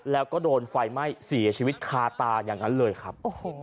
แล้วก็โดนไฟไหม้เสียชีวิตคาตาอย่างนั้นเลยครับ